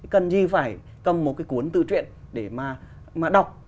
cần gì phải cầm một cái cuốn tự truyện để mà đọc